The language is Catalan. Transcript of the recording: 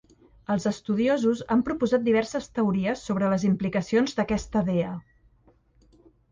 Els estudiosos han proposat diverses teories sobre les implicacions d'aquesta dea.